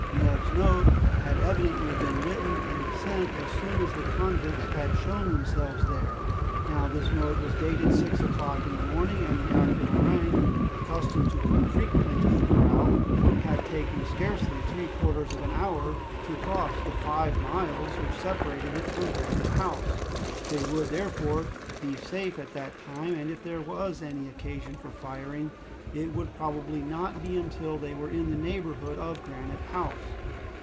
Neb's note had evidently been written and sent as soon as the convicts had shown themselves there. Now, this note was dated six o'clock in the morning, and the active orang, accustomed to come frequently to the corral, had taken scarcely three quarters of an hour to cross the five miles which separated it from Granite House. They would, therefore, be safe at that time, and if there was any occasion for firing, it would probably not be until they were in the neighborhood of Granite House.